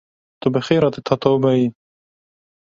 Tu bi xêr hatî Tatoebayê!